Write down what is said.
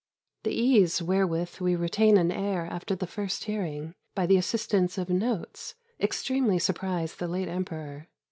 The ease wherewith we retain an air after the first hearing, by the assistance of notes, extremely surprised the late emperor.